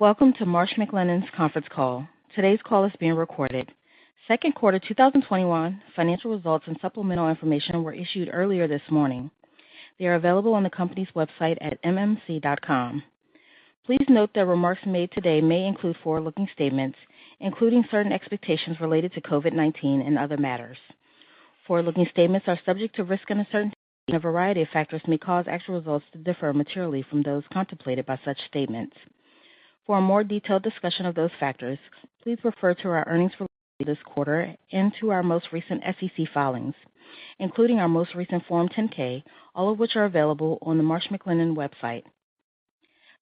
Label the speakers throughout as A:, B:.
A: Welcome to Marsh McLennan's conference call. Today's call is being recorded. Second quarter 2021 financial results and supplemental information were issued earlier this morning. They are available on the company's website at mmc.com. Please note that remarks made today may include forward-looking statements, including certain expectations related to COVID-19 and other matters. Forward-looking statements are subject to risk and uncertainty, and a variety of factors may cause actual results to differ materially from those contemplated by such statements. For a more detailed discussion of those factors, please refer to our earnings release this quarter and to our most recent SEC filings, including our most recent Form 10-K, all of which are available on the Marsh McLennan website.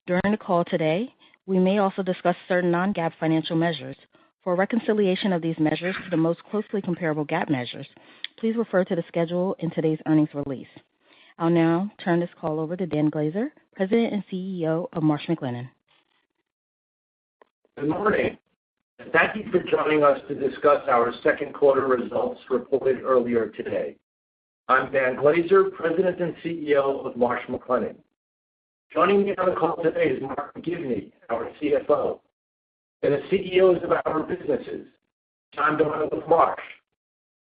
A: During the call today, we may also discuss certain non-GAAP financial measures. For a reconciliation of these measures to the most closely comparable GAAP measures, please refer to the schedule in today's earnings release. I'll now turn this call over to Dan Glaser, President and CEO of Marsh McLennan.
B: Good morning and thank you for joining us to discuss our second quarter results reported earlier today. I'm Dan Glaser, President and CEO of Marsh McLennan. Joining me on the call today is Mark McGivney, our CFO, and the CEOs of our businesses, John Doyle of Marsh,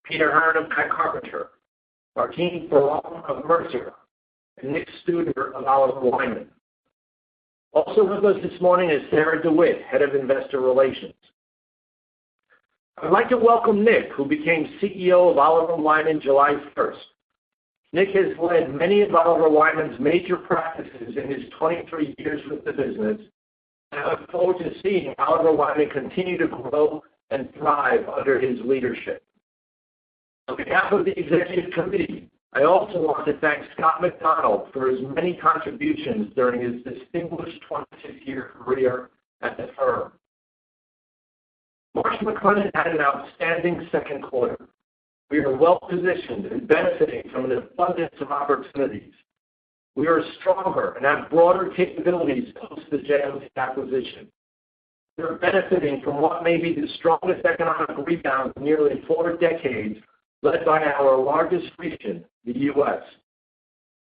B: Peter Hearn of Guy Carpenter, Martine Ferland of Mercer, and Nick Studer of Oliver Wyman. Also, with us this morning is Sarah DeWitt, Head of Investor Relations. I'd like to welcome Nick, who became CEO of Oliver Wyman July 1st. Nick has led many of Oliver Wyman's major practices in his 23 years with the business, and I look forward to seeing Oliver Wyman continue to grow and thrive under his leadership. On behalf of the executive committee, I also want to thank Scott McDonald for his many contributions during his distinguished 22-year career at the firm. Marsh McLennan had an outstanding second quarter. We are well-positioned and benefiting from an abundance of opportunities. We are stronger and have broader capabilities post the JLT acquisition. We are benefiting from what may be the strongest economic rebound in nearly four decades, led by our largest region, the U.S.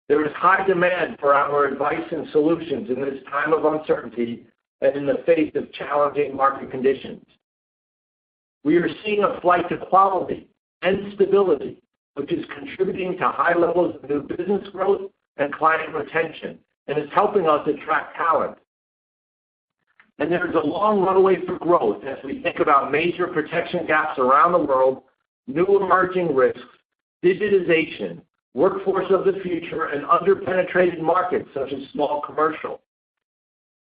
B: There is high demand for our advice and solutions in this time of uncertainty and in the face of challenging market conditions. We are seeing a flight to quality and stability, which is contributing to high levels of new business growth and client retention and is helping us attract talent. There is a long runway for growth as we think about major protection gaps around the world, new emerging risks, digitization, workforce of the future, and under-penetrated markets such as small commercial.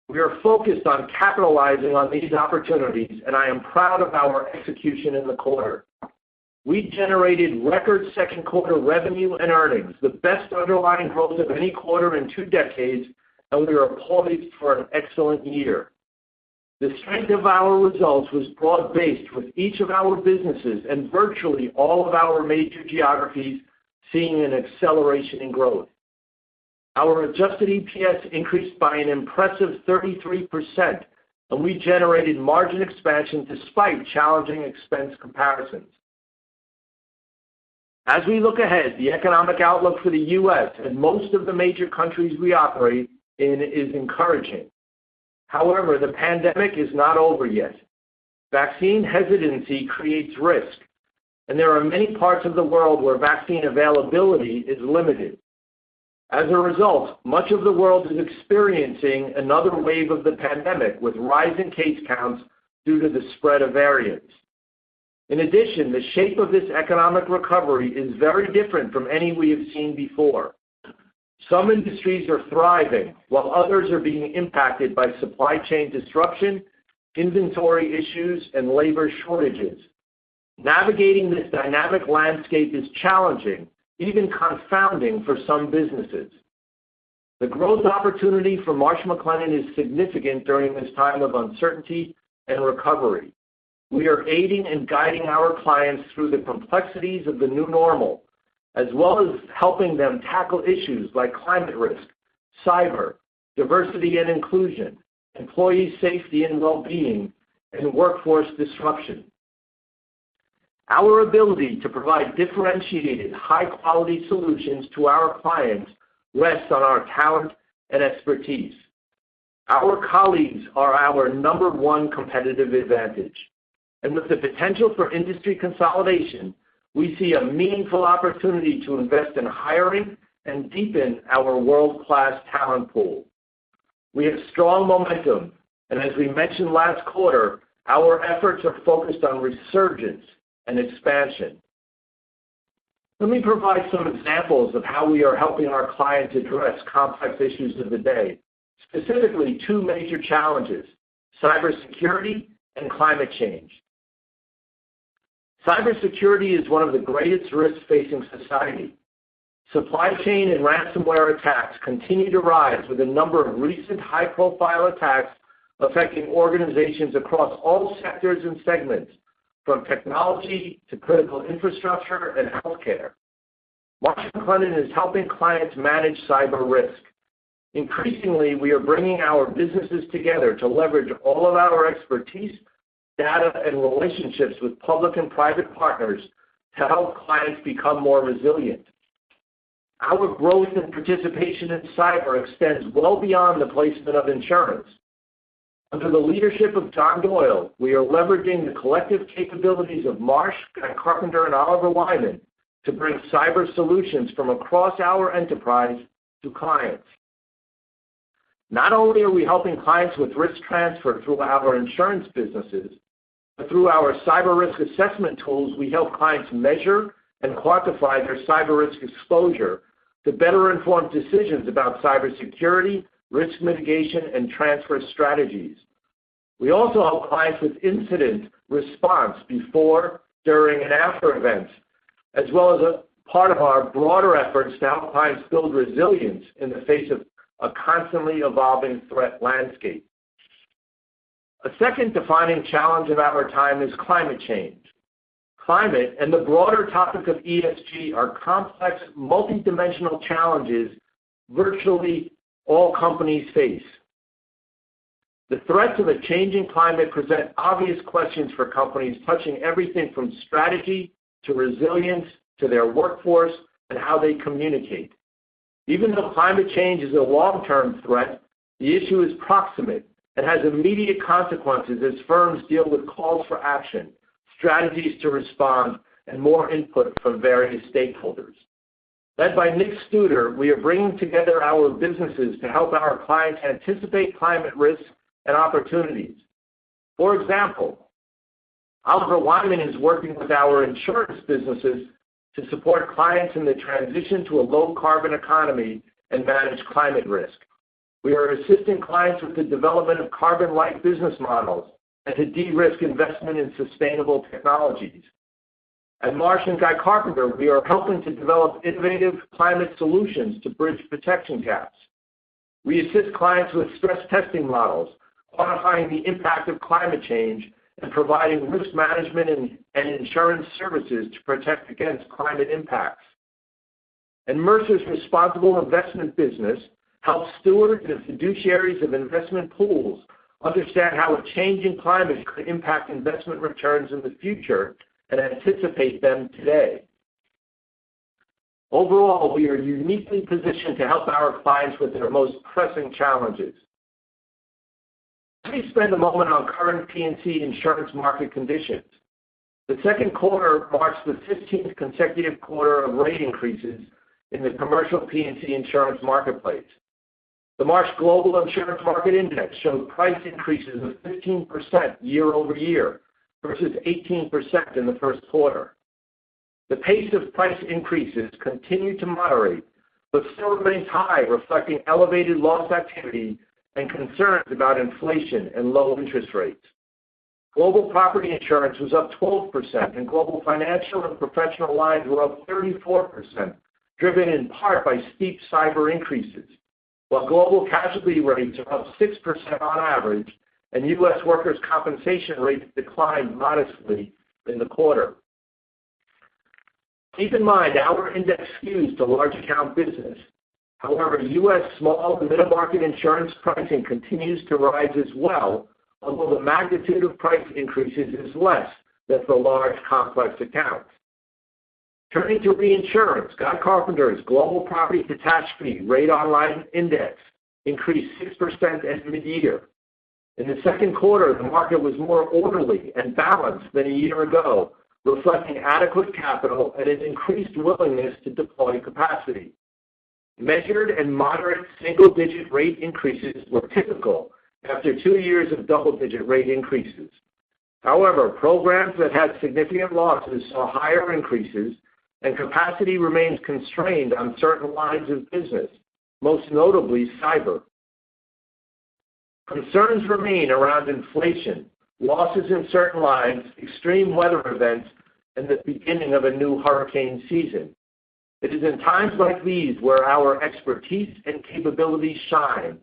B: We are focused on capitalizing on these opportunities, and I am proud of our execution in the quarter. We generated record second quarter revenue and earnings, the best underlying growth of any quarter in two decades, and we are poised for an excellent year. The strength of our results was broad-based, with each of our businesses and virtually all of our major geographies seeing an acceleration in growth. Our adjusted EPS increased by an impressive 33%, and we generated margin expansion despite challenging expense comparisons. As we look ahead, the economic outlook for the U.S. and most of the major countries we operate in is encouraging. However, the pandemic is not over yet. Vaccine hesitancy creates risk, and there are many parts of the world where vaccine availability is limited. As a result, much of the world is experiencing another wave of the pandemic, with rising case counts due to the spread of variants. In addition, the shape of this economic recovery is very different from any we have seen before. Some industries are thriving, while others are being impacted by supply chain disruption, inventory issues, and labor shortages. Navigating this dynamic landscape is challenging, even confounding for some businesses. The growth opportunity for Marsh McLennan is significant during this time of uncertainty and recovery. We are aiding and guiding our clients through the complexities of the new normal, as well as helping them tackle issues like climate risk, cyber, diversity and inclusion, employee safety and well-being, and workforce disruption. Our ability to provide differentiated high-quality solutions to our client's rests on our talent and expertise. Our colleagues are our number one competitive advantage, and with the potential for industry consolidation, we see a meaningful opportunity to invest in hiring and deepen our world-class talent pool. We have strong momentum, and as we mentioned last quarter, our efforts are focused on resurgence and expansion. Let me provide some examples of how we are helping our clients address complex issues of the day, specifically two major challenges, cybersecurity and climate change. Cybersecurity is one of the greatest risks facing society. Supply chain and ransomware attacks continue to rise, with a number of recent high-profile attacks affecting organizations across all sectors and segments, from technology to critical infrastructure and healthcare. Marsh McLennan is helping clients manage cyber risk. Increasingly, we are bringing our businesses together to leverage all of our expertise, data, and relationships with public and private partners to help clients become more resilient. Our growth and participation in cyber extends well beyond the placement of insurance. Under the leadership of John Doyle, we are leveraging the collective capabilities of Marsh and Guy Carpenter and Oliver Wyman to bring cyber solutions from across our enterprise to clients. Not only are we helping clients with risk transfer through our insurance businesses, but through our cyber risk assessment tools, we help clients measure and quantify their cyber risk exposure to better inform decisions about cybersecurity, risk mitigation, and transfer strategies. We also help clients with incident response before, during, and after events, as well as a part of our broader efforts to help clients build resilience in the face of a constantly evolving threat landscape. A second defining challenge of our time is climate change. Climate and the broader topic of ESG are complex, multidimensional challenges virtually all companies face. The threats of a changing climate present obvious questions for companies, touching everything from strategy to resilience to their workforce and how they communicate. Even though climate change is a long-term threat, the issue is proximate. It has immediate consequences as firms deal with calls for action, strategies to respond, and more input from various stakeholders. Led by Nick Studer, we are bringing together our businesses to help our clients anticipate climate risks and opportunities. For example, Oliver Wyman is working with our insurance businesses to support clients in the transition to a low-carbon economy and manage climate risk. We are assisting clients with the development of carbon-light business models and to de-risk investment in sustainable technologies. At Marsh and Guy Carpenter, we are helping to develop innovative climate solutions to bridge protection gaps. We assist clients with stress testing models, quantifying the impact of climate change, and providing risk management and insurance services to protect against climate impacts. Mercer's responsible investment business helps steward, the fiduciaries of investment pools understand how a changing climate could impact investment returns in the future and anticipate them today. Overall, we are uniquely positioned to help our clients with their most pressing challenges. Let me spend a moment on current P&C insurance market conditions. The second quarter marks the 15th consecutive quarter of rate increases in the commercial P&C insurance marketplace. The Marsh Global Insurance Market Index showed price increases of 15% year-over-year, versus 18% in the first quarter. The pace of price increases continued to moderate, but still remains high, reflecting elevated loss activity and concerns about inflation and low interest rates. Global property insurance was up 12% and global financial and professional lines were up 34%, driven in part by steep cyber increases, while global casualty rates are up 6% on average, and U.S. workers' compensation rates declined modestly in the quarter. Keep in mind our index skews to large account business. However, U.S. small- to mid-market insurance pricing continues to rise as well, although the magnitude of price increases is less than for large, complex accounts. Turning to reinsurance, Guy Carpenter's Global Property Catastrophe Rate on Line Index increased 6% as of mid-year. In the second quarter, the market was more orderly and balanced than a year ago, reflecting adequate capital and an increased willingness to deploy capacity. Measured and moderate single-digit rate increases were typical after two years of double-digit rate increases. However, programs that had significant losses saw higher increases, and capacity remains constrained on certain lines of business, most notably cyber. Concerns remain around inflation, losses in certain lines, extreme weather events, and the beginning of a new hurricane season. It is in times like these where our expertise and capabilities shine.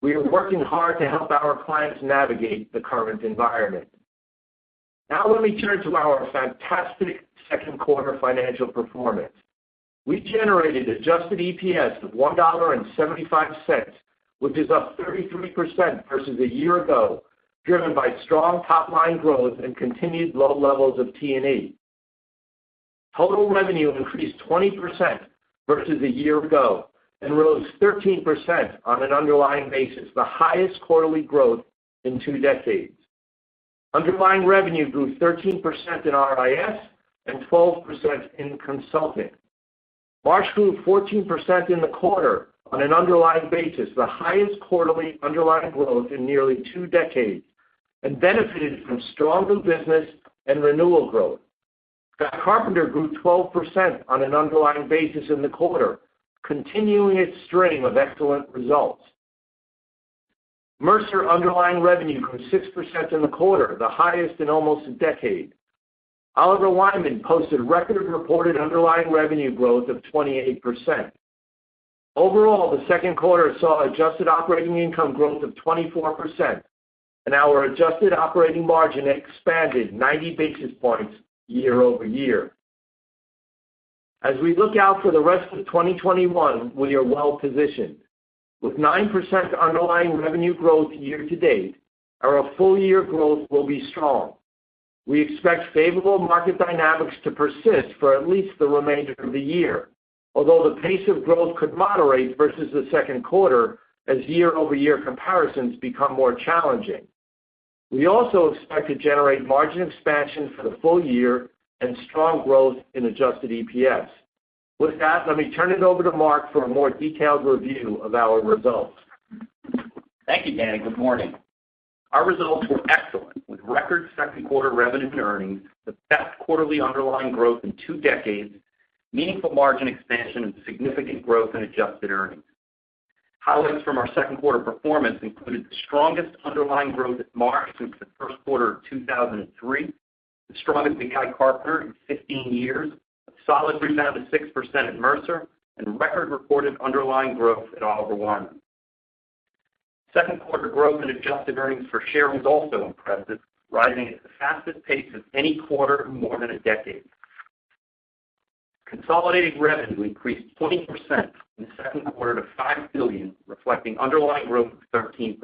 B: We are working hard to help our clients navigate the current environment. Now let me turn to our fantastic second quarter financial performance. We generated adjusted EPS of $1.75, which is up 33% versus a year ago, driven by strong top-line growth and continued low levels of T&E. Total revenue increased 20% versus a year ago, and rose 13% on an underlying basis, the highest quarterly growth in two decades. Underlying revenue grew 13% in RIS and 12% in consulting. Marsh grew 14% in the quarter on an underlying basis, the highest quarterly underlying growth in nearly two decades, and benefited from strong new business and renewal growth. Guy Carpenter grew 12% on an underlying basis in the quarter, continuing its string of excellent results. Mercer underlying revenue grew 6% in the quarter, the highest in almost a decade. Oliver Wyman posted record reported underlying revenue growth of 28%. Overall, the second quarter saw adjusted operating income growth of 24%, and our adjusted operating margin expanded 90 basis points year-over-year. As we look out for the rest of 2021, we are well-positioned. With 9% underlying revenue growth year to date, our full year growth will be strong. We expect favorable market dynamics to persist for at least the remainder of the year. Although the pace of growth could moderate versus the second quarter, as year-over-year comparisons become more challenging. We also expect to generate margin expansion for the full year and strong growth in adjusted EPS. With that, let me turn it over to Mark for a more detailed review of our results.
C: Thank you, Dan. Good morning. Our results were excellent, with record second quarter revenue and earnings, the best quarterly underlying growth in two decades, meaningful margin expansion, and significant growth in adjusted earnings. Highlights from our second quarter performance included the strongest underlying growth at Marsh since the first quarter of 2003, the strongest at Guy Carpenter in 15 years, a solid rebound of 6% at Mercer, and record reported underlying growth at Oliver Wyman. Second quarter growth in adjusted earnings per share was also impressive, rising at the fastest pace of any quarter in more than a decade. Consolidated revenue increased 20% in the second quarter to $5 billion, reflecting underlying growth of 13%.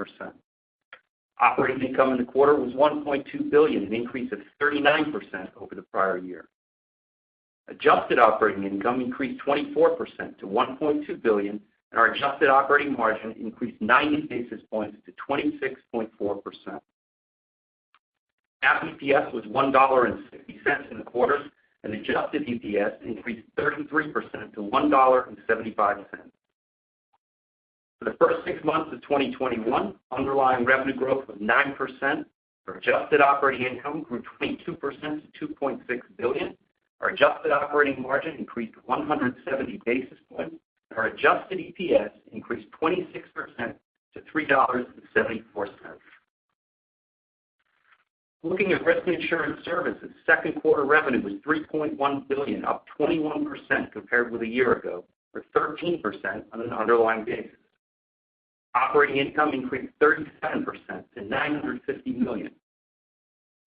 C: Operating income in the quarter was $1.2 billion, an increase of 39% over the prior year. Adjusted operating income increased 24% to $1.2 billion, and our adjusted operating margin increased 90 basis points to 26.4%. GAAP EPS was $1.60 in the quarter, and adjusted EPS increased 33% to $1.75. For the first six months of 2021, underlying revenue growth of 9%, our adjusted operating income grew 22% to $2.6 billion, our adjusted operating margin increased 170 basis points, and our adjusted EPS increased 26% to $3.74. Looking at Risk & Insurance Services, second quarter revenue was $3.1 billion, up 21% compared with a year ago, or 13% on an underlying basis. Operating income increased 37% to $950 million.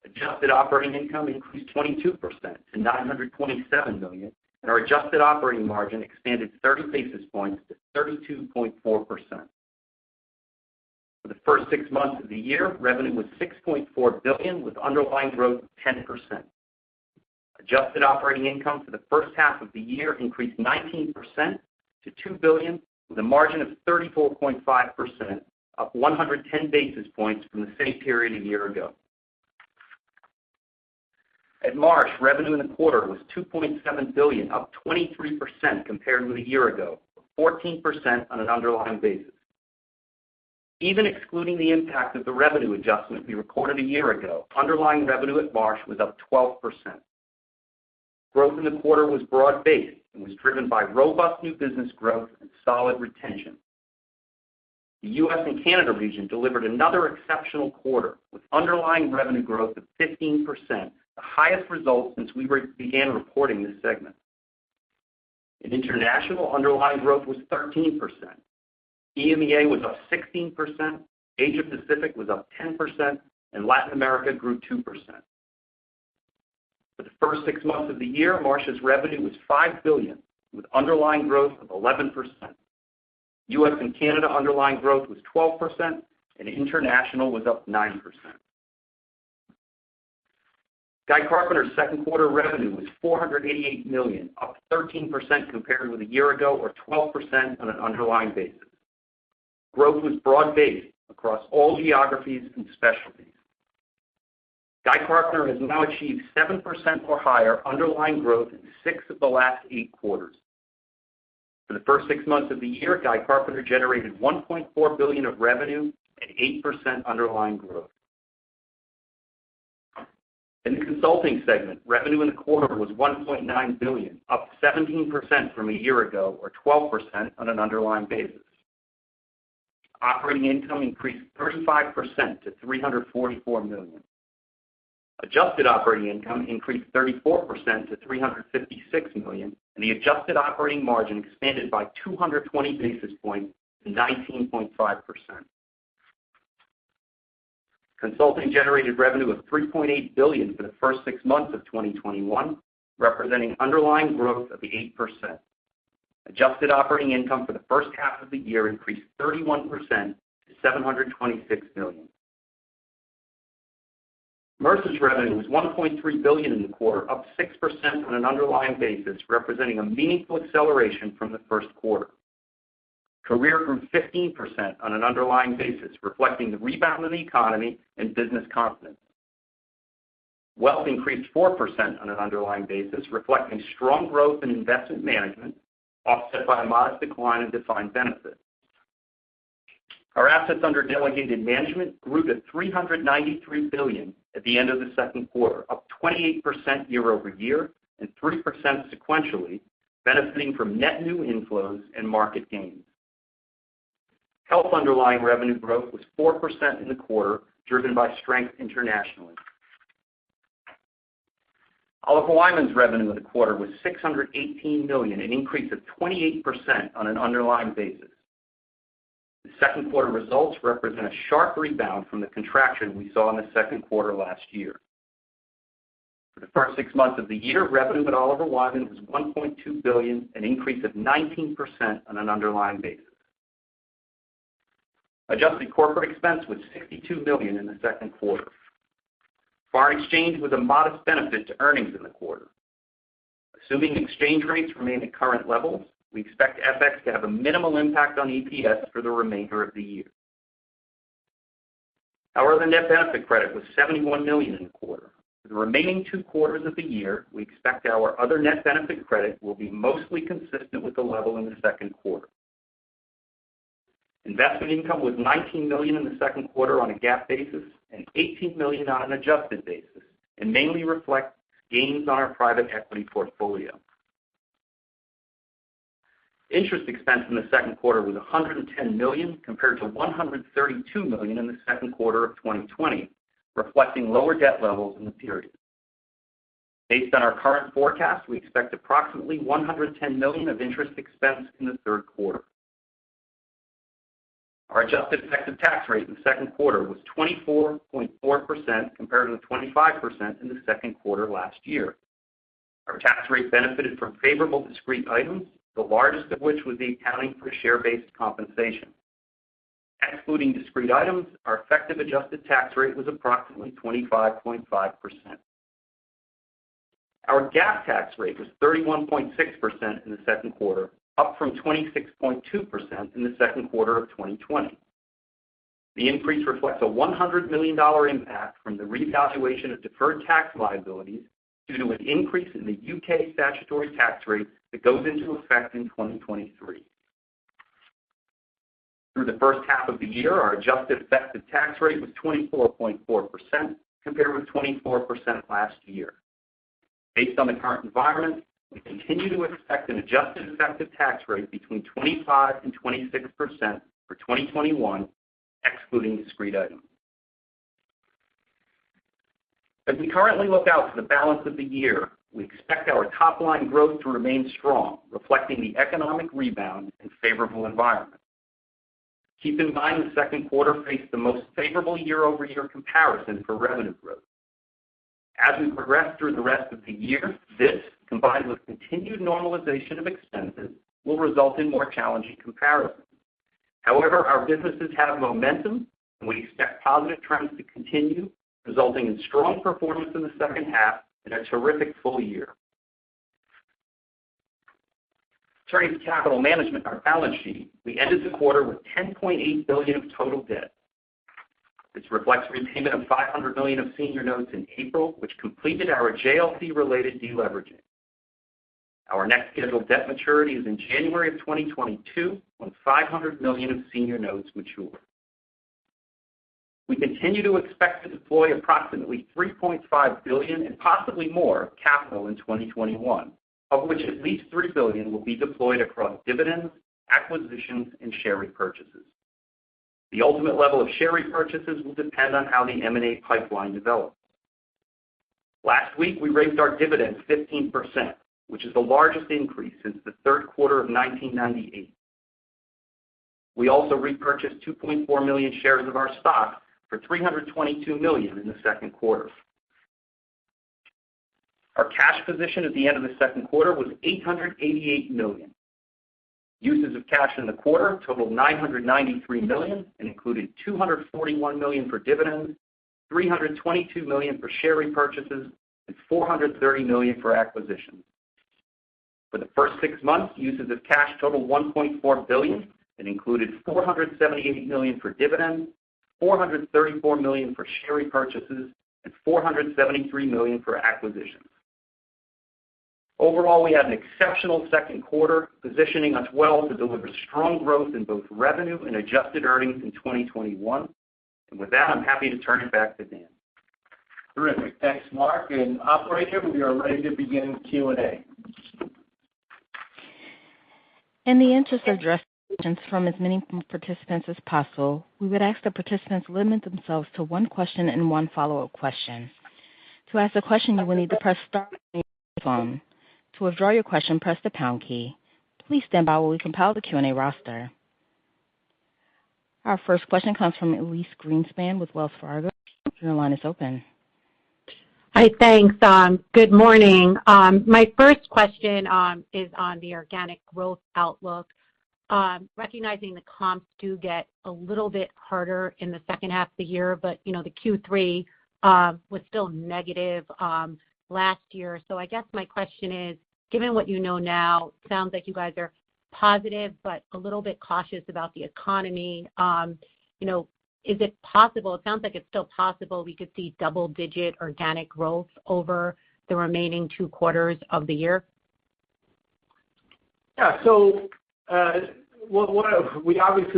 C: Adjusted operating income increased 22% to $927 million, and our adjusted operating margin expanded 30 basis points to 32.4%. For the first six months of the year, revenue was $6.4 billion with underlying growth 10%. Adjusted operating income for the first half of the year increased 19% to $2 billion, with a margin of 34.5%, up 110 basis points from the same period a year ago. At Marsh, revenue in the quarter was $2.7 billion, up 23% compared with a year ago, or 14% on an underlying basis. Even excluding the impact of the revenue adjustment we recorded a year ago, underlying revenue at Marsh was up 12%. Growth in the quarter was broad-based and was driven by robust new business growth and solid retention. The U.S. and Canada region delivered another exceptional quarter, with underlying revenue growth of 15%, the highest result since we began reporting this segment. In international, underlying growth was 13%. EMEA was up 16%, Asia-Pacific was up 10%, and Latin America grew 2%. For the first six months of the year, Marsh's revenue was $5 billion, with underlying growth of 11%. U.S. and Canada underlying growth was 12%, and international was up 9%. Guy Carpenter's second quarter revenue was $488 million, up 13% compared with a year ago, or 12% on an underlying basis. Growth was broad-based across all geographies and specialties. Guy Carpenter has now achieved 7% or higher underlying growth in six of the last eight quarters. For the first six months of the year, Guy Carpenter generated $1.4 billion of revenue and 8% underlying growth. In the consulting segment, revenue in the quarter was $1.9 billion, up 17% from a year ago, or 12% on an underlying basis. Operating income increased 35% to $344 million. Adjusted operating income increased 34% to $356 million, and the adjusted operating margin expanded by 220 basis points to 19.5%. Consulting generated revenue of $3.8 billion for the first six months of 2021, representing underlying growth of 8%. Adjusted operating income for the first half of the year increased 31% to $726 million. Mercer's revenue was $1.3 billion in the quarter, up 6% on an underlying basis, representing a meaningful acceleration from the first quarter. Career grew 15% on an underlying basis, reflecting the rebound of the economy and business confidence. Wealth increased 4% on an underlying basis, reflecting strong growth in investment management, offset by a modest decline in defined benefits. Our assets under delegated management grew to $393 billion at the end of the second quarter, up 28% year-over-year and 3% sequentially, benefiting from net new inflows and market gains. Health underlying revenue growth was 4% in the quarter, driven by strength internationally. Oliver Wyman's revenue in the quarter was $618 million, an increase of 28% on an underlying basis. The second quarter results represent a sharp rebound from the contraction we saw in the second quarter last year. For the first six months of the year, revenue at Oliver Wyman was $1.2 billion, an increase of 19% on an underlying basis. Adjusted corporate expense was $62 million in the second quarter. Foreign exchange was a modest benefit to earnings in the quarter. Assuming exchange rates remain at current levels, we expect FX to have a minimal impact on EPS for the remainder of the year. Our other net benefit credit was $71 million in the quarter. For the remaining two quarters of the year, we expect our other net benefit credit will be mostly consistent with the level in the second quarter. Investment income was $19 million in the second quarter on a GAAP basis and $18 million on an adjusted basis and mainly reflects gains on our private equity portfolio. Interest expense in the second quarter was $110 million, compared to $132 million in the second quarter of 2020, reflecting lower debt levels in the period. Based on our current forecast, we expect approximately $110 million of interest expense in the third quarter. Our adjusted effective tax rate in the second quarter was 24.4% compared to the 25% in the second quarter last year. Our tax rate benefited from favorable discrete items, the largest of which was the accounting for share-based compensation. Excluding discrete items, our effective adjusted tax rate was approximately 25.5%. Our GAAP tax rate was 31.6% in the second quarter, up from 26.2% in the second quarter of 2020. The increase reflects a $100 million impact from the revaluation of deferred tax liabilities due to an increase in the U.K. statutory tax rate that goes into effect in 2023. Through the first half of the year, our adjusted effective tax rate was 24.4% compared with 24% last year. Based on the current environment, we continue to expect an adjusted effective tax rate between 25% and 26% for 2021, excluding discrete items. As we currently look out to the balance of the year, we expect our top-line growth to remain strong, reflecting the economic rebound and favorable environment. Keep in mind, the second quarter faced the most favorable year-over-year comparison for revenue growth. As we progress through the rest of the year, this, combined with continued normalization of expenses, will result in more challenging comparisons. However, our businesses have momentum, and we expect positive trends to continue, resulting in strong performance in the second half and a terrific full year. Turning to capital management, our balance sheet, we ended the quarter with $10.8 billion of total debt. This reflects repayment of $500 million of senior notes in April, which completed our JLT-related deleveraging. Our next scheduled debt maturity is in January of 2022, when $500 million of senior notes mature. We continue to expect to deploy approximately $3.5 billion and possibly more capital in 2021, of which at least $3 billion will be deployed across dividends, acquisitions, and share repurchases. The ultimate level of share repurchases will depend on how the M&A pipeline develops. Last week, we raised our dividend 15%, which is the largest increase since the third quarter of 1998. We also repurchased 2.4 million shares of our stock for $322 million in the second quarter. Our cash position at the end of the second quarter was $888 million. Uses of cash in the quarter totaled $993 million and included $241 million for dividends, $322 million for share repurchases, and $430 million for acquisitions. For the first six months, uses of cash totaled $1.4 billion and included $478 million for dividends, $434 million for share repurchases, and $473 million for acquisitions. Overall, we had an exceptional second quarter, positioning us well to deliver strong growth in both revenue and adjusted earnings in 2021. With that, I'm happy to turn it back to Dan.
B: Terrific. Thanks, Mark. Operator, we are ready to begin Q&A.
A: In the interest of addressing questions from as many participants as possible, we would ask that participants limit themselves to one question and one follow-up question. To ask a question, you will need to press star then one on your phone. To withdraw your question, press the pound key. Please stand by while we compile the Q&A roster. Our first question comes from Elyse Greenspan with Wells Fargo. Your line is open.
D: Hi, thanks. Good morning. My first question is on the organic growth outlook. Recognizing the comps do get a little bit harder in the second half of the year, but the Q3 was still negative last year. I guess my question is, given what you know now, sounds like you guys are positive, but a little bit cautious about the economy. It sounds like it's still possible we could see double-digit organic growth over the remaining two quarters of the year?
B: Obviously,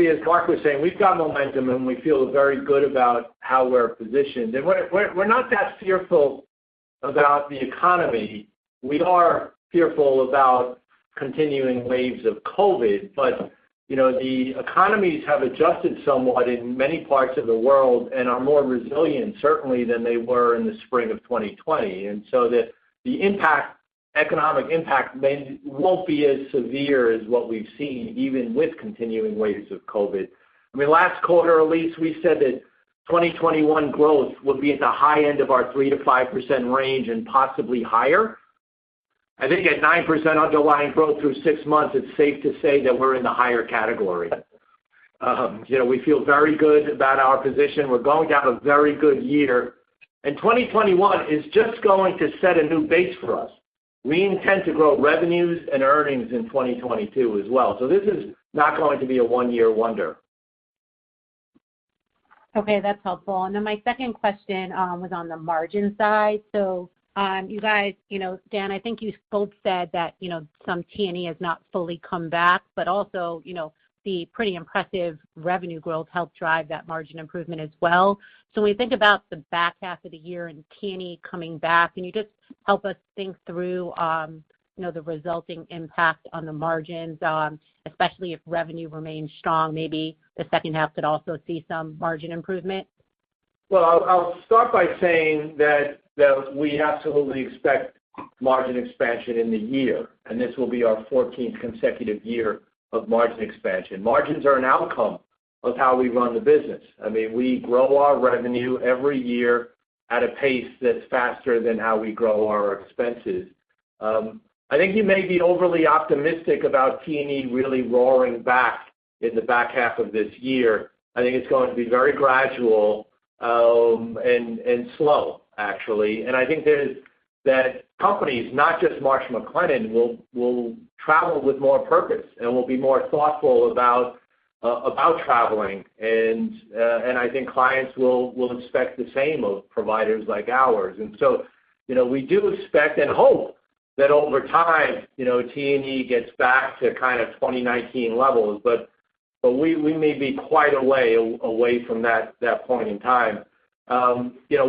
B: as Mark was saying, we've got momentum, and we feel very good about how we're positioned. We're not that fearful about the economy. We are fearful about continuing waves of COVID, but the economies have adjusted somewhat in many parts of the world and are more resilient, certainly, than they were in the spring of 2020. The economic impact won't be as severe as what we've seen, even with continuing waves of COVID. Last quarter, Elyse, we said that 2021 growth would be at the high end of our 3%-5% range and possibly higher. I think at 9% underlying growth through six months, it's safe to say that we're in the higher category. We feel very good about our position. We're going to have a very good year, and 2021 is just going to set a new base for us. We intend to grow revenues and earnings in 2022 as well. This is not going to be a one-year wonder.
D: Okay, that's helpful. My second question was on the margin side. You guys, Dan, I think you both said that some T&E has not fully come back, but also, the pretty impressive revenue growth helped drive that margin improvement as well. When we think about the back half of the year and T&E coming back, can you just help us think through the resulting impact on the margins, especially if revenue remains strong, maybe the second half could also see some margin improvement?
B: Well, I'll start by saying that we absolutely expect margin expansion in the year, and this will be our 14th consecutive year of margin expansion. Margins are an outcome of how we run the business. We grow our revenue every year at a pace that's faster than how we grow our expenses. I think you may be overly optimistic about T&E really roaring back in the back half of this year. I think it's going to be very gradual and slow, actually. I think that companies, not just Marsh McLennan, will travel with more purpose and will be more thoughtful about traveling. I think clients will expect the same of providers like ours. So, we do expect and hope that over time T&E gets back to kind of 2019 levels, but we may be quite a way away from that point in time.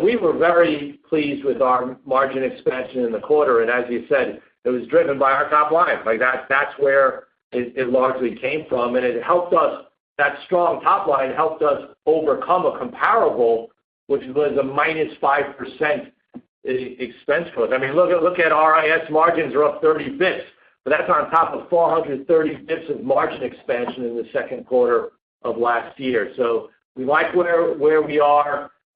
B: We were very pleased with our margin expansion in the quarter, and as you said, it was driven by our top line. That's where it largely came from, and that strong top line helped us overcome a comparable, which was a -5% expense for us. Look at RIS margins are up 30 basis points, but that's on top of 430 basis points of margin expansion in the second quarter of last year. We like where we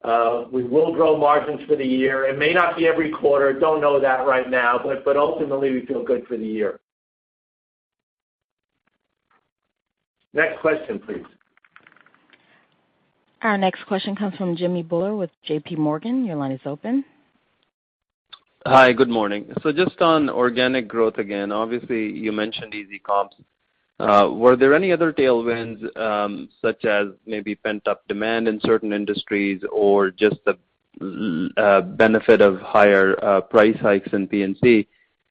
B: are. We will grow margins for the year. It may not be every quarter, don't know that right now, but ultimately, we feel good for the year. Next question, please.
A: Our next question comes from Jimmy Bhullar with JPMorgan. Your line is open.
E: Hi, good morning. Just on organic growth again. Obviously, you mentioned easy comps. Were there any other tailwinds, such as maybe pent-up demand in certain industries or just the benefit of higher price hikes in P&C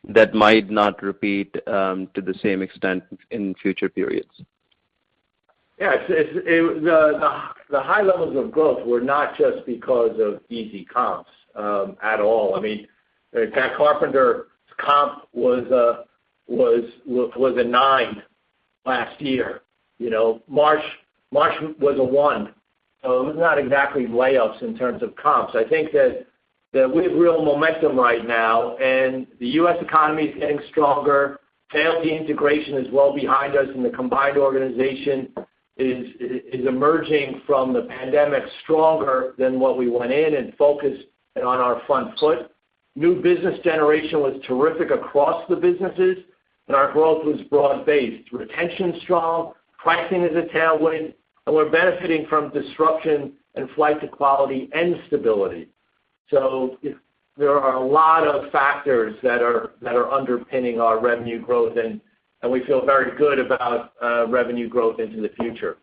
E: that might not repeat to the same extent in future periods?
B: The high levels of growth were not just because of easy comps at all. In fact, Carpenter's comp was a nine last year. Marsh was a one, it was not exactly layups in terms of comps. I think that we have real momentum right now, the U.S. economy is getting stronger. JLT integration is well behind us, the combined organization is emerging from the pandemic stronger than what we went in and focused on our front foot. New business generation was terrific across the businesses, our growth was broad-based. Retention's strong, pricing is a tailwind, we're benefiting from disruption and flight to quality and stability. There are a lot of factors that are underpinning our revenue growth, we feel very good about revenue growth into the future.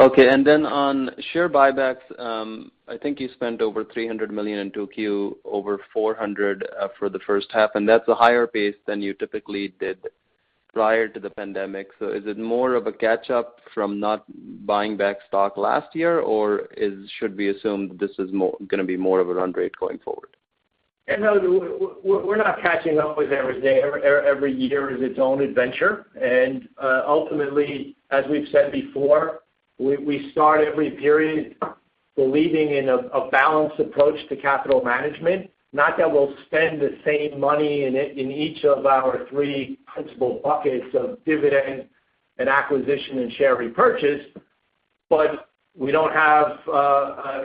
E: Okay. On share buybacks, I think you spent over $300 million in 2Q, over $400 million for the first half, and that's a higher pace than you typically did prior to the pandemic. Is it more of a catch-up from not buying back stock last year, or should we assume this is going to be more of a run rate going forward?
B: No, we're not catching up with every day. Every year is its own adventure. Ultimately, as we've said before, we start every period believing in a balanced approach to capital management. Not that we'll spend the same money in each of our three principal buckets of dividend and acquisition and share repurchase, but we don't have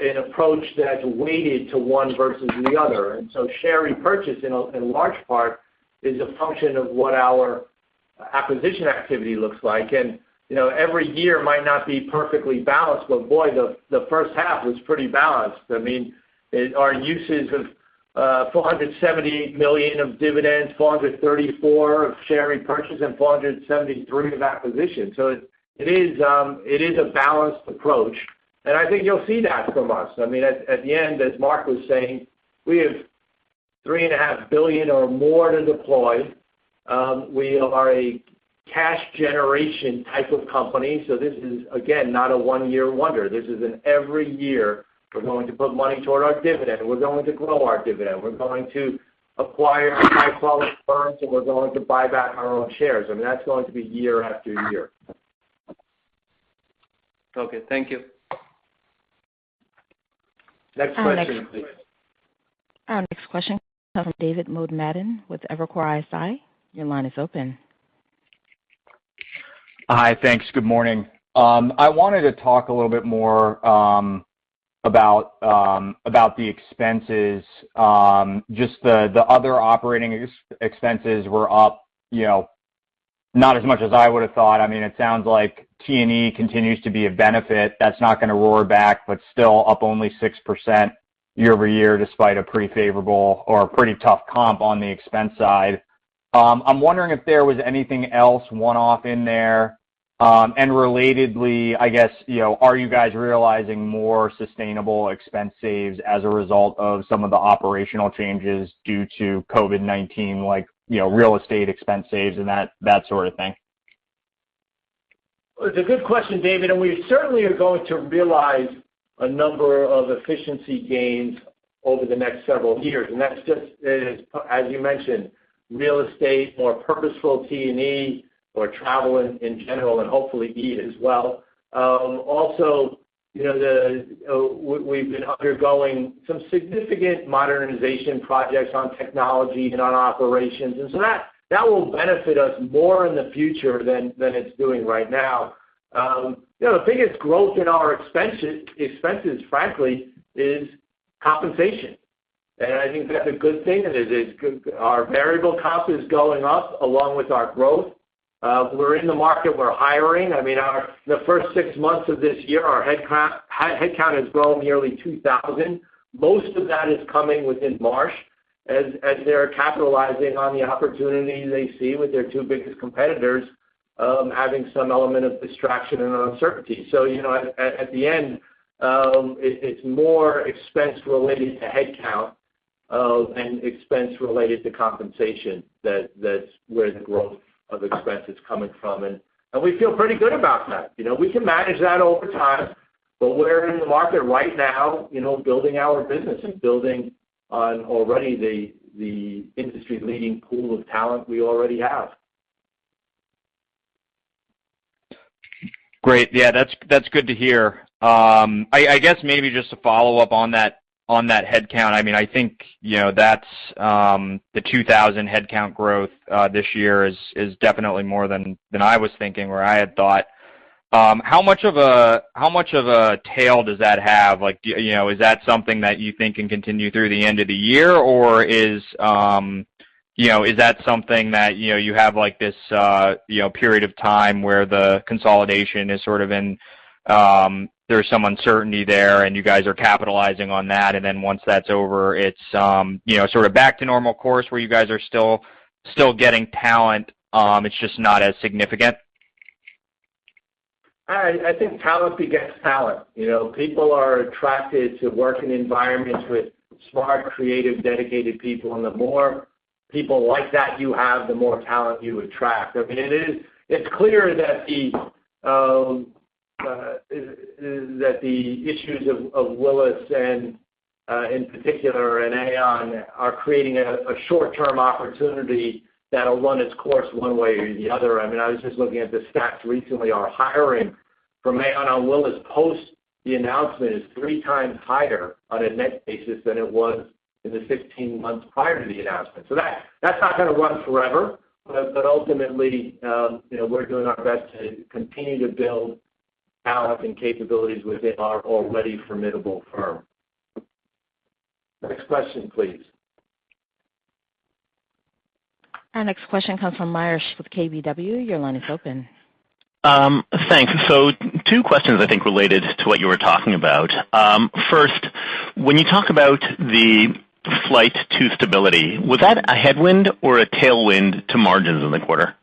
B: an approach that's weighted to one versus the other. Share repurchase, in large part, is a function of what our acquisition activity looks like. Every year might not be perfectly balanced, but boy, the first half was pretty balanced. Our usage of $478 million of dividends, $434 million of share repurchase, and $473 million of acquisition. It is a balanced approach, and I think you'll see that from us. At the end, as Mark was saying, we have $3.5 billion or more to deploy. We are a cash generation type of company. This is, again, not a one-year wonder. This is an every year, we're going to put money toward our dividend, we're going to grow our dividend, we're going to acquire high-quality firms, and we're going to buy back our own shares. That's going to be year after year.
E: Okay. Thank you.
B: Next question, please.
A: Our next question comes from David Motemaden with Evercore ISI. Your line is open
F: Hi. Thanks. Good morning. I wanted to talk a little bit more about the expenses. Just the other operating expenses were up not as much as I would've thought. It sounds like T&E continues to be a benefit that's not going to roar back, but still up only 6% year-over-year despite a pretty favorable or pretty tough comp on the expense side. I'm wondering if there was anything else one-off in there. Relatedly, I guess, are you guys realizing more sustainable expense saves as a result of some of the operational changes due to COVID-19, like real estate expense saves and that sort of thing?
B: It's a good question, David. We certainly are going to realize a number of efficiency gains over the next several years, and that's just as you mentioned, real estate, more purposeful T&E or travel in general and hopefully IT as well. We've been undergoing some significant modernization projects on technology and on operations. That will benefit us more in the future than it's doing right now. The biggest growth in our expenses, frankly, is compensation. I think that's a good thing. Our variable comp is going up along with our growth. We're in the market. We're hiring. The first six months of this year, our headcount has grown nearly 2,000. Most of that is coming within Marsh as they're capitalizing on the opportunity they see with their two biggest competitors having some element of distraction and uncertainty. At the end, it's more expense related to headcount, and expense related to compensation. That's where the growth of expense is coming from, and we feel pretty good about that. We can manage that over time, but we're in the market right now building our business and building on already the industry-leading pool of talent we already have.
F: Great. Yeah, that's good to hear. I guess maybe just to follow up on that headcount. I think the 2,000-headcount growth this year is definitely more than I was thinking or I had thought. How much of a tail does that have? Is that something that you think can continue through the end of the year, or is that something that you have this period of time where the consolidation is sort of there's some uncertainty there and you guys are capitalizing on that, and then once that's over, it's sort of back to normal course where you guys are still getting talent, it's just not as significant?
B: I think talent begets talent. People are attracted to work in environments with smart, creative, dedicated people, and the more people like that you have, the more talent you attract. It's clear that the issues of Willis in particular and Aon are creating a short-term opportunity that'll run its course one way or the other. I was just looking at the stats recently. Our hiring from Aon and Willis post the announcement is 3x higher on a net basis than it was in the 16 months prior to the announcement. That's not going to run forever, but ultimately, we're doing our best to continue to build talent and capabilities within our already formidable firm. Next question, please.
A: Our next question comes from Meyer Shields with KBW. Your line is open.
G: Thanks. Two questions I think related to what you were talking about. First, when you talk about the flight to stability, was that a headwind or a tailwind to margins in the quarter?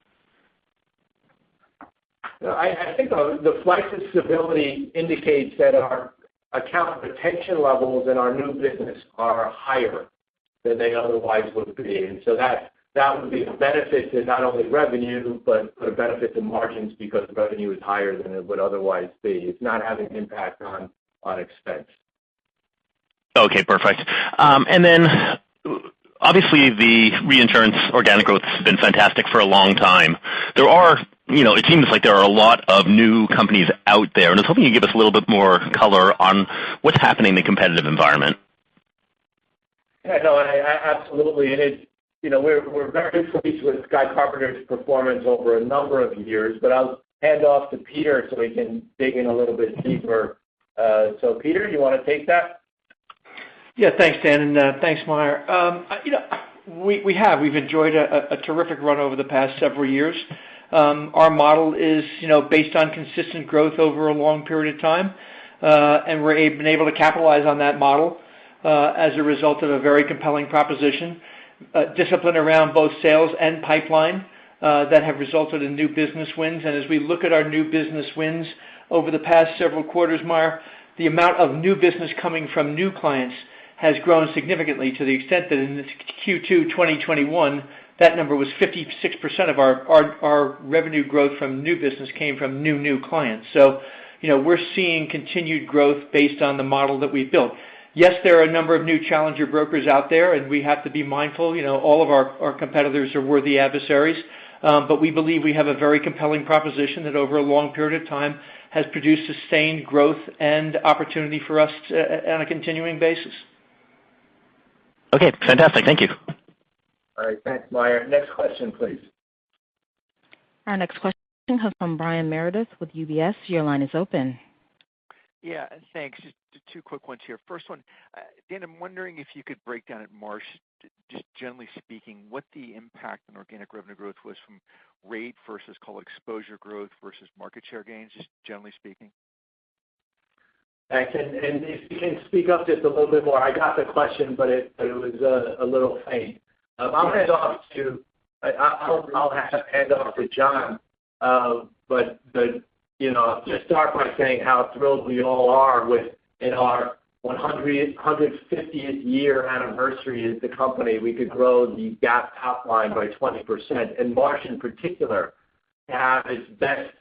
B: I think the flight to stability indicates that our account retention levels and our new business are higher than they otherwise would be. That would be a benefit to not only revenue but a benefit to margins because revenue is higher than it would otherwise be. It's not having an impact on expense.
G: Okay, perfect. Obviously, the reinsurance organic growth has been fantastic for a long time. It seems like there are a lot of new companies out there, and I was hoping you could give us a little bit more color on what's happening in the competitive environment?
B: Yeah. No, absolutely. We're very pleased with Guy Carpenter's performance over a number of years, but I'll hand off to Peter so he can dig in a little bit deeper. Peter, you want to take that?
H: Yeah. Thanks, Dan, and thanks, Meyer. We have. We've enjoyed a terrific run over the past several years. Our model is based on consistent growth over a long period of time. We're able to capitalize on that model as a result of a very compelling proposition, discipline around both sales and pipeline that have resulted in new business wins. As we look at our new business wins over the past several quarters, Meyer, the amount of new business coming from new clients has grown significantly to the extent that in Q2 2021, that number was 56% of our revenue growth from new business came from new clients. We're seeing continued growth based on the model that we've built. Yes, there are a number of new challenger brokers out there, and we have to be mindful. All of our competitors are worthy adversaries. We believe we have a very compelling proposition that over a long period of time has produced sustained growth and opportunity for us on a continuing basis.
G: Okay, fantastic. Thank you.
B: All right, thanks, Meyer. Next question, please.
A: Our next question comes from Brian Meredith with UBS. Your line is open.
I: Yeah, thanks. Just two quick ones here. First one, Dan, I'm wondering if you could break down at Marsh, just generally speaking, what the impact on organic revenue growth was from rate versus client exposure growth versus market share gains, just generally speaking.
B: Thanks. If you can speak up just a little bit more, I got the question, but it was a little faint. I'll hand off to John. Just start by saying how thrilled we all are with, in our 150th year anniversary as the company, we could grow the GAAP top line by 20%, and Marsh in particular have its best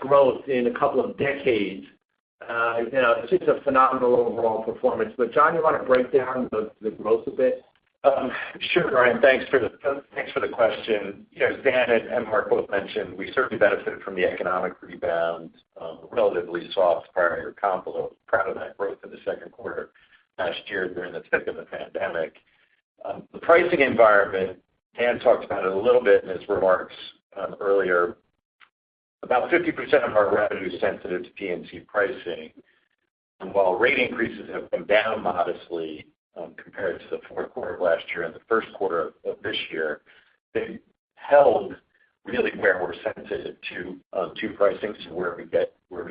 B: growth in a couple of decades. It's just a phenomenal overall performance. John, you want to break down the growth a bit?
J: Sure, Brian. Thanks for the question. As Dan and Mark both mentioned, we certainly benefited from the economic rebound, a relatively soft prior comp, a proud of that growth in the second quarter last year during the thick of the pandemic. The pricing environment, Dan talked about it a little bit in his remarks earlier. About 50% of our revenue is sensitive to P&C pricing. While rate increases have come down modestly, compared to the fourth quarter of last year and the first quarter of this year, they've held really where we're sensitive to pricing, so where we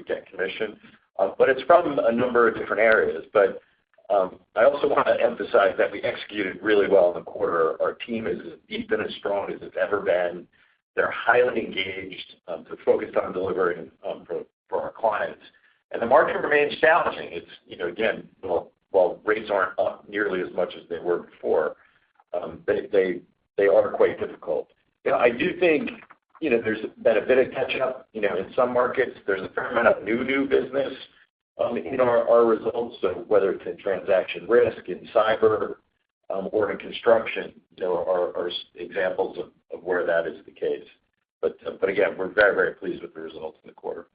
J: get commission. It's from a number of different areas. I also want to emphasize that we executed really well in the quarter. Our team is as deep and as strong as it's ever been. They're highly engaged. They're focused on delivering for our clients. The market remains challenging. It's, again, while rates aren't up nearly as much as they were before, they are quite difficult. In some markets, there's a fair amount of new business in our results, so whether it's in transaction risk, in cyber, or in construction, there are examples of where that is the case. Again, we're very pleased with the results in the quarter.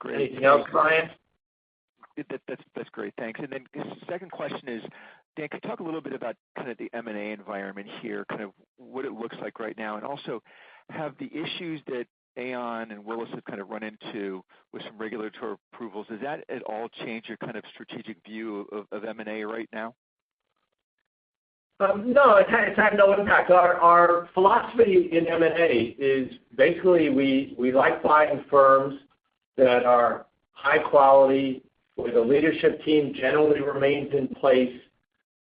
B: Great. Anything else, Brian?
I: That's great. Thanks. Second question is, Dan, could you talk a little bit about kind of the M&A environment here, kind of what it looks like right now, and also have the issues that Aon and Willis have kind of run into with some regulatory approvals? Does that at all change your kind of strategic view of M&A right now?
B: No, it's had no impact. Our philosophy in M&A is basically we like buying firms that are high quality, where the leadership team generally remains in place,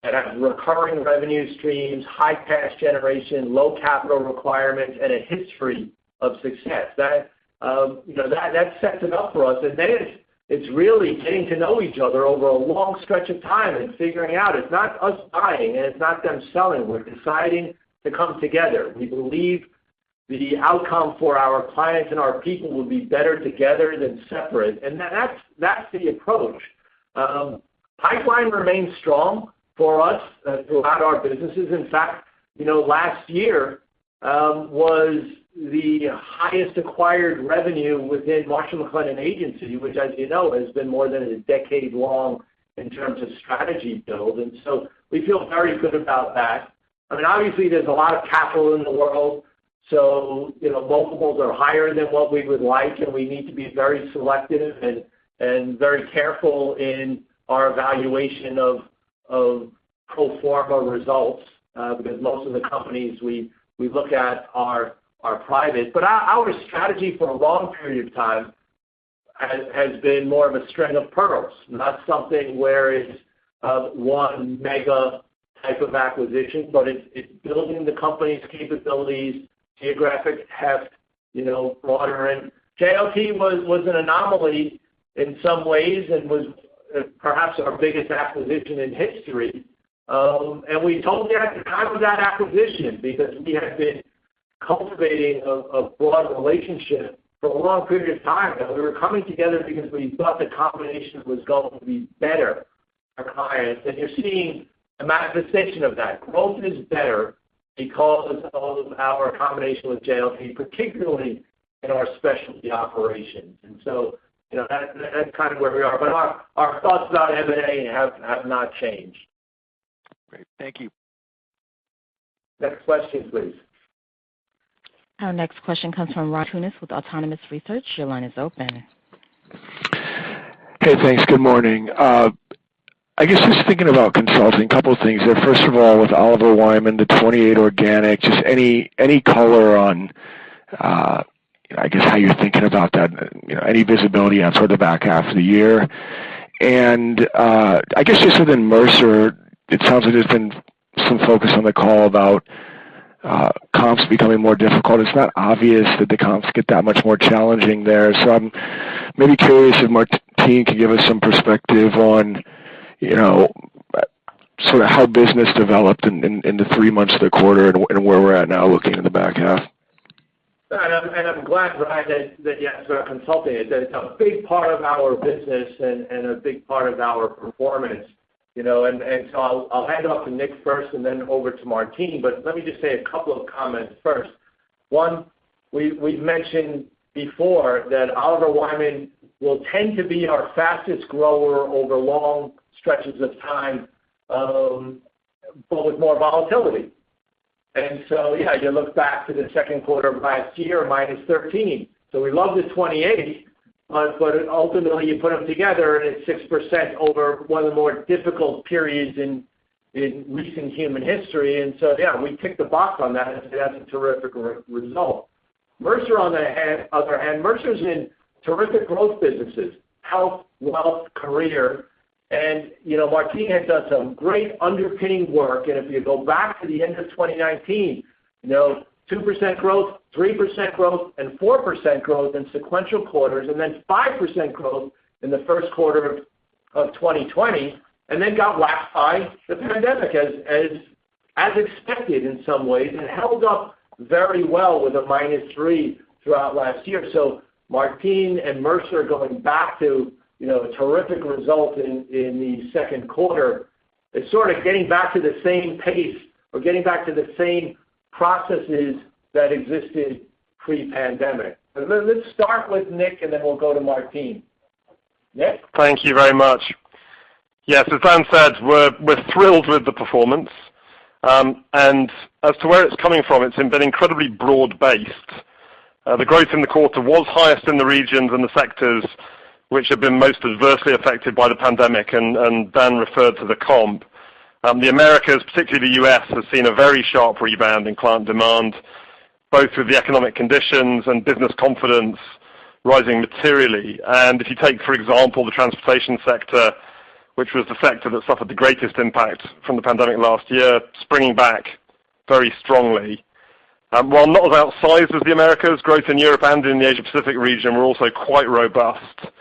B: that have recurring revenue streams, high cash generation, low capital requirements, and a history of success. That sets it up for us. It's really getting to know each other over a long stretch of time and figuring out. It's not us buying, and it's not them selling. We're deciding to come together. We believe the outcome for our clients and our people will be better together than separate. That's the approach. Pipeline remains strong for us throughout our businesses. In fact, last year was the highest acquired revenue within Marsh McLennan Agency, which as you know, has been more than a decade long in terms of strategy build. We feel very good about that. Obviously, there's a lot of capital in the world, so multiples are higher than what we would like, and we need to be very selective and very careful in our evaluation of pro forma results, because most of the companies we look at are private. Our strategy for a long period of time has been more of a string of pearls, not something where it's one mega type of acquisition, but it's building the company's capabilities, geographic heft, broader. JLT was an anomaly in some ways and was perhaps our biggest acquisition in history. We told you at the time of that acquisition, because we had been cultivating a broad relationship for a long period of time, that we were coming together because we thought the combination was going to be better for clients. You're seeing a manifestation of that. Growth is better because of our combination with JLT, particularly in our specialty operations. That's kind of where we are. Our thoughts about M&A have not changed.
I: Great. Thank you.
B: Next question, please.
A: Our next question comes from Ryan Tunis with Autonomous Research. Your line is open.
K: Hey, thanks. Good morning. I guess just thinking about consulting, couple of things there. First of all, with Oliver Wyman, the 28 organic, just any color on I guess how you're thinking about that, any visibility on sort of the back half of the year? I guess just within Mercer, it sounds like there's been some focus on the call about comps becoming more difficult. It's not obvious that the comps get that much more challenging there. I'm maybe curious if Martine could give us some perspective on sort of how business developed in the three months of the quarter and where we're at now looking in the back half.
B: I'm glad, Ryan, that you asked about consulting. It's a big part of our business and a big part of our performance. I'll hand it off to Nick first and then over to Martine. Let me just say a couple of comments first. One, we've mentioned before that Oliver Wyman will tend to be our fastest grower over long stretches of time, but with more volatility. You look back to the second quarter of 2020, -13%. We love the 28%, but ultimately you put them together and it's 6% over one of the more difficult periods in recent human history. We tick the box on that as that's a terrific result. Mercer on the other hand, Mercer's in terrific growth businesses, health, wealth, career. Martine has done some great underpinning work. If you go back to the end of 2019, 2% growth, 3% growth, and 4% growth in sequential quarters. Then 5% growth in the first quarter of 2020. Then got lapped by the pandemic, as expected in some ways, and held up very well with a -3% throughout last year. Martine and Mercer are going back to a terrific result in the second quarter and sort of getting back to the same pace or getting back to the same processes that existed pre-pandemic. Let's start with Nick and then we'll go to Martine. Nick?
L: Thank you very much. As Dan said, we're thrilled with the performance. As to where it's coming from, it's been incredibly broad-based. The growth in the quarter was highest in the regions and the sectors which have been most adversely affected by the pandemic, Dan referred to the comp. The Americas, particularly the U.S., has seen a very sharp rebound in client demand, both with the economic conditions and business confidence rising materially. If you take, for example, the transportation sector, which was the sector that suffered the greatest impact from the pandemic last year, springing back very strongly. While not as outsized as the Americas, growth in Europe and in the Asia Pacific region were also quite robust.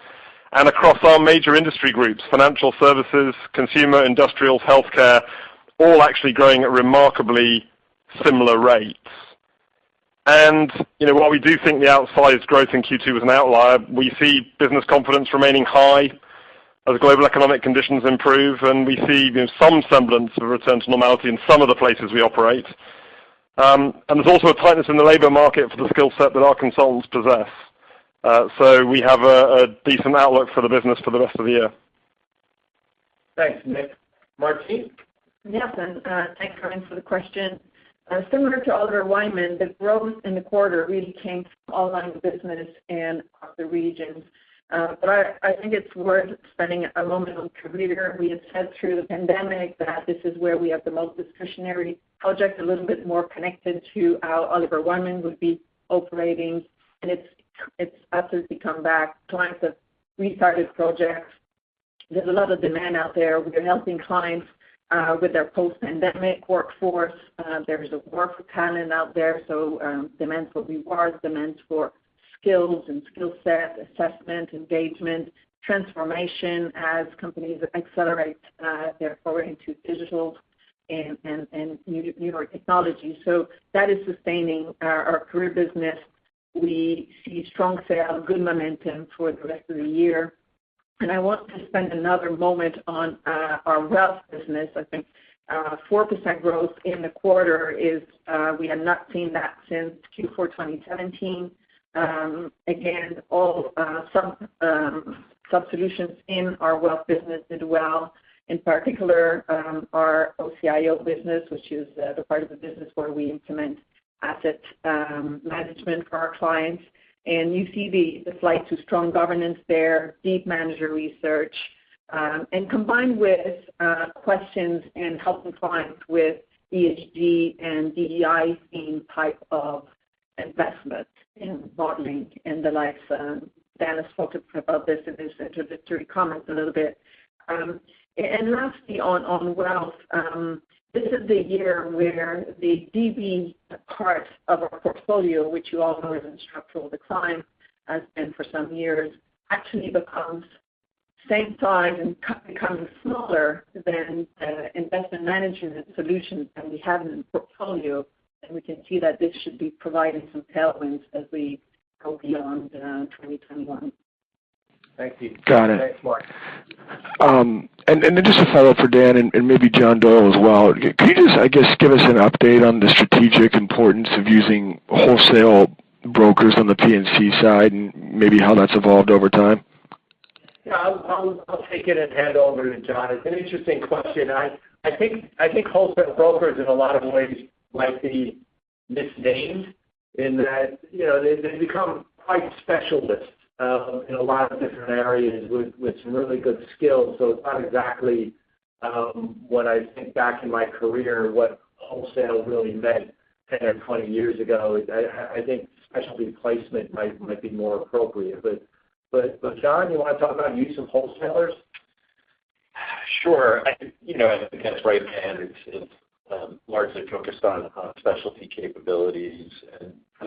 L: Across our major industry groups, financial services, consumer industrials, healthcare, all actually growing at remarkably similar rates. While we do think the outsized growth in Q2 was an outlier, we see business confidence remaining high as global economic conditions improve. We see some semblance of a return to normality in some of the places we operate. There's also a tightness in the labor market for the skill set that our consultants possess. We have a decent outlook for the business for the rest of the year.
B: Thanks, Nick. Martine?
M: Yeah, Dan. Thanks for the question. Similar to Oliver Wyman, the growth in the quarter really came from all lines of business and across the regions. I think it's worth spending a moment on Career. We have said through the pandemic that this is where we have the most discretionary projects, a little bit more connected to how Oliver Wyman would be operating. It's absolutely come back. Clients have restarted projects. There's a lot of demand out there. We are helping clients with their post-pandemic workforce. There is a war for talent out there, demand for rewards, demand for skills and skill set, assessment, engagement, transformation as companies accelerate, their foray into digital and newer technology. That is sustaining our Career business. We see strong sales, good momentum for the rest of the year. I want to spend another moment on our Wealth business. I think 4% growth in the quarter. We have not seen that since Q4 2017. Again, some solutions in our wealth business did well. In particular, our OCIO business, which is the part of the business where we implement asset management for our clients. You see the flight to strong governance there, deep manager research, combined with questions and helping clients with ESG and DEI themed type of investment in modeling and the likes. Dan has spoken about this in his introductory comments a little bit. Lastly, on wealth, this is the year where the DB part of our portfolio, which you all know is in structural decline, has been for some years, actually becomes same size and becomes smaller than the investment management solutions that we have in the portfolio. We can see that this should be providing some tailwinds as we go beyond 2021.
B: Thank you.
K: Got it.
B: Thanks, Martine.
K: Just a follow-up for Dan, and maybe John Doyle as well. Could you just, I guess, give us an update on the strategic importance of using wholesale brokers on the P&C side and maybe how that's evolved over time?
B: I'll take it and hand over to John. It's an interesting question. I think wholesale brokers in a lot of ways might be misnamed in that they've become quite specialist in a lot of different areas with really good skills. It's not exactly what I think back in my career, what wholesale really meant 10 or 20 years ago. I think specialty placement might be more appropriate. John, you want to talk about use of wholesalers?
J: Sure. That's right, Dan, it's largely focused on specialty capabilities.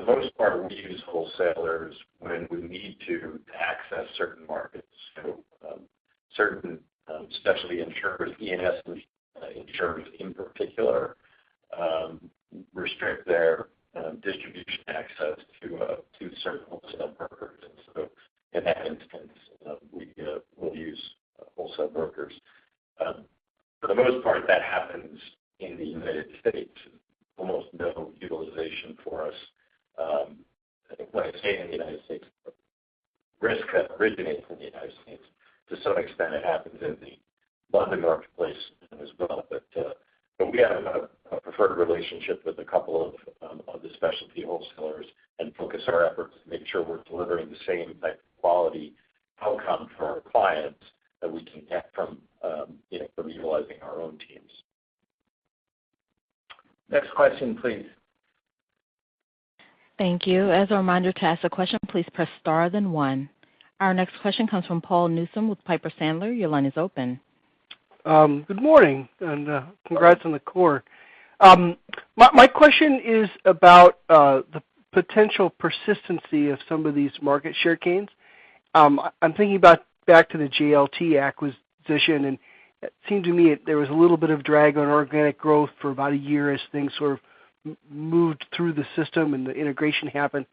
J: For the most part, we use wholesalers when we need to access certain markets. Certain specialty insurers, E&S insurers in particular, restrict
N: moved through the system and the integration happened.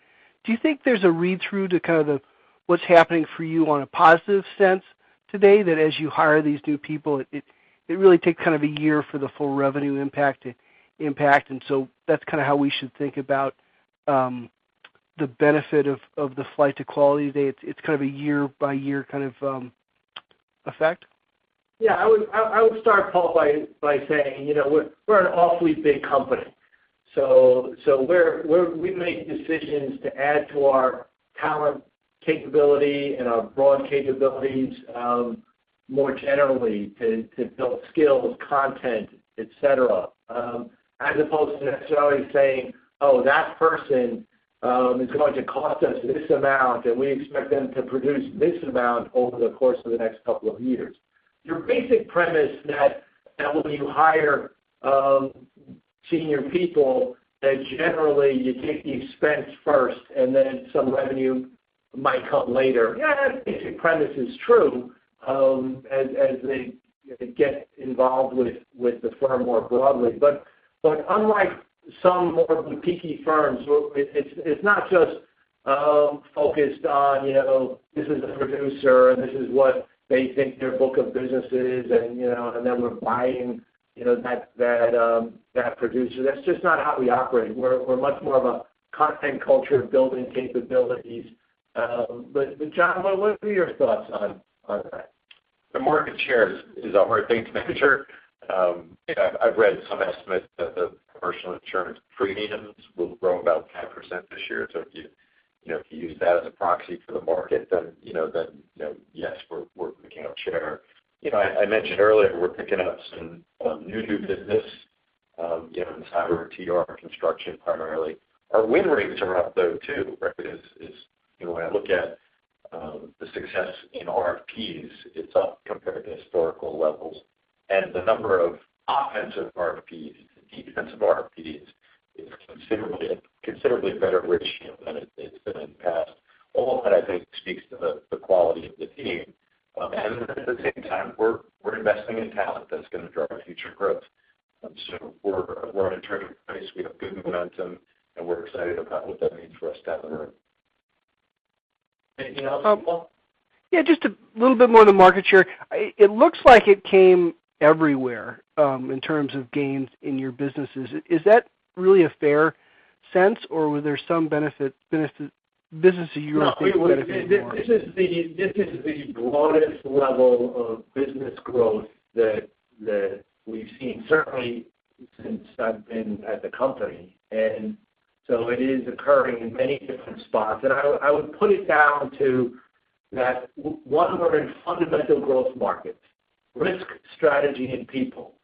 N: Do you think there's a read-through to kind of the what's happening for you on a positive sense today, that as you hire these new people, it really takes kind of a year for the full revenue impact? That's kind of how we should think about the benefit of the flight to quality today. It's kind of a year by a year kind of effect?
B: Yeah, I would start, Paul, by saying, we're an awfully big company. We make decisions to add to our talent capability and our broad capabilities, more generally, to build skills, content, et cetera, as opposed to necessarily saying, "Oh, that person is going to cost us this amount, and we expect them to produce this amount over the course of the next couple of years." Your basic premise that when you hire senior people, that generally you take the expense first and then some revenue might come later. Yeah, that basic premise is true, as they get involved with the firm more broadly. Unlike some more of the P.E. Firms, it's not just focused on, this is a producer and this is what they think their book of business is, and then we're buying that producer. That's just not how we operate. We're much more of a content culture building capabilities. John, what would be your thoughts on that?
J: The market share is a hard thing to measure. I've read some estimates that the commercial insurance premiums will grow about 10% this year. If you use that as a proxy for the market, then yes, we're gaining share. I mentioned earlier, we're picking up some new business, given cyber TR construction, primarily. Our win rates are up, though, too. When I look at the success in RFPs, it's up compared to historical levels. The number of offensive RFPs to defensive RFPs is considerably a better ratio than it's been in the past. All that, I think, speaks to the quality of the team. At the same time, we're investing in talent that's going to drive future growth. We're on a trajectory pace. We have good momentum, and we're excited about what that means for us down the road.
B: Anything else, Paul?
N: Yeah, just a little bit more on the market share. It looks like it came everywhere, in terms of gains in your businesses. Is that really a fair sense, or were there some businesses you were expecting more?
B: No. This is the broadest level of business growth that we've seen, certainly since I've been at the company, it is occurring in many different spots. I would put it down to that one of our fundamental growth markets, risk, strategy, and people.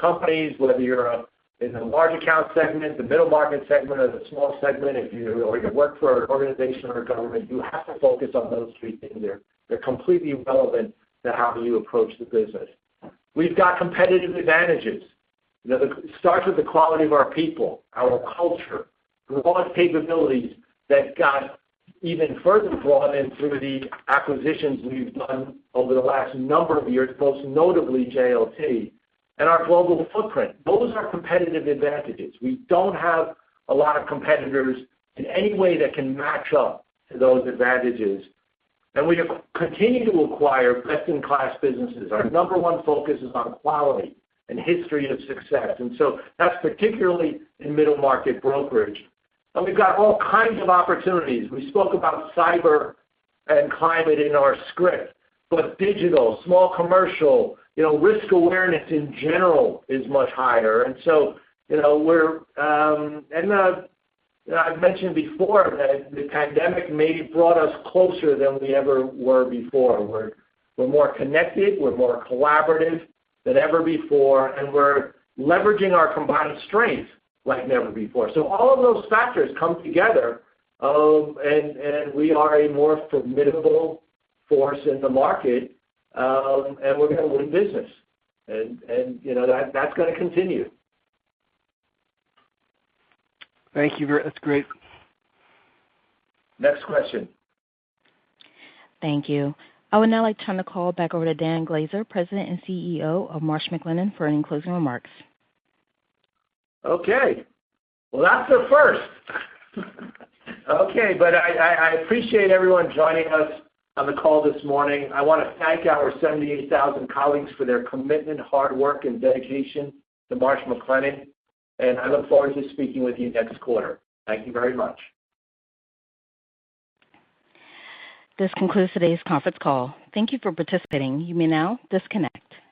B: Companies, whether you're in the large account segment, the middle market segment, or the small segment, if you work for an organization or a government, you have to focus on those three things. They're completely relevant to how you approach the business. We've got competitive advantages. It starts with the quality of our people, our culture, broad capabilities that got even further broadened through the acquisitions we've done over the last number of years, most notably JLT, and our global footprint. Those are competitive advantages. We don't have a lot of competitors in any way that can match up to those advantages. We continue to acquire best-in-class businesses. Our number one focus is on quality and history of success, and so that's particularly in middle market brokerage. We've got all kinds of opportunities. We spoke about cyber and climate in our script, but digital, small commercial, risk awareness in general is much higher. I've mentioned before that the pandemic maybe brought us closer than we ever were before. We're more connected, we're more collaborative than ever before, and we're leveraging our combined strengths like never before. All of those factors come together, and we are a more formidable force in the market, and we're going to win business, and that's going to continue.
N: Thank you. That's great.
B: Next question.
A: Thank you. I would now like to turn the call back over to Dan Glaser, President and CEO of Marsh McLennan, for any closing remarks.
B: Okay. Well, that's a first. Okay, but I appreciate everyone joining us on the call this morning. I want to thank our 78,000 colleagues for their commitment, hard work, and dedication to Marsh McLennan, and I look forward to speaking with you next quarter. Thank you very much.
A: This concludes today's conference call. Thank you for participating. You may now disconnect.